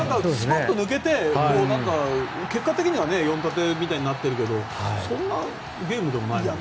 スパっと抜けて結果的には４タテみたいになってるけどそんなゲームでもないよね。